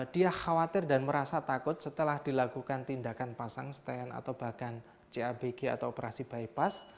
dia khawatir dan merasa takut setelah dilakukan tindakan pasang stand atau bahkan cabg atau operasi bypass